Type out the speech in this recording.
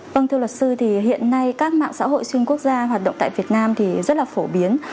vâng thưa luật sư thì hiện nay các mạng xã hội xuyên quốc gia hoạt động tại việt nam thì rất là phổ biến